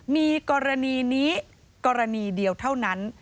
มีกรณีนี้กรณีเดียวเท่านั้น